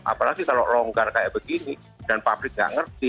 apalagi kalau longgar kayak begini dan pabrik enggak ngerti